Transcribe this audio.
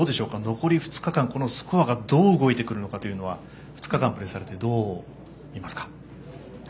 残り２日間、このスコアがどう動いてくるのかというのは２日間プレーされてどう見ますか。